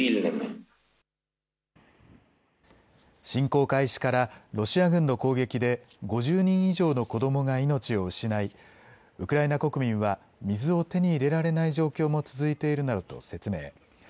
侵攻開始からロシア軍の攻撃で５０人以上の子どもが命を失い、ウクライナ国民は水を手に入れられない状況も続いているなどと説明。